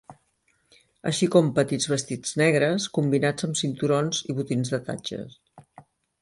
Així com petits vestits negres combinats amb cinturons i botins de tatxes.